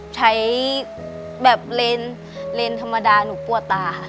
ใช้แบบเลนธรรมดาหนูปวดตาค่ะ